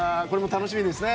楽しみですね。